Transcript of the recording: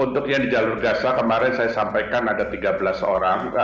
untuk yang di jalur gaza kemarin saya sampaikan ada tiga belas orang